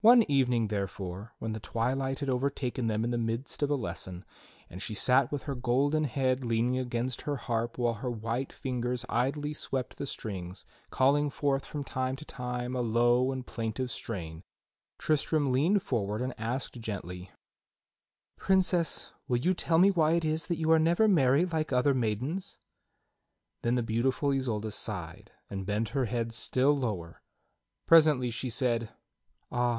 One evening, therefore, when the twilight had overtaken them in the midst of a lesson, and she sat with her golden head leaning against her harp while her white fingers idly swept the strings, calling forth from time to time a low and plaintive strain, Tristram leaned forward and asked gently: " Princess, will you tell me why it is that you are never merry like other maidens?" Then the beautiful Isolda sighed and bent her head still lower. Presently she said: "Ah!